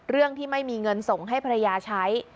เรื่องที่ไม่มีเงินส่งให้ภรรยาใช้